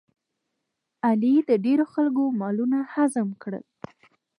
علي د ډېرو خلکو مالونه هضم کړل.